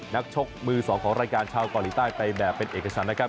นักชกมือ๒ของรายการชาวกรีต้ายไปแบบเป็นเอกชั้นนะครับ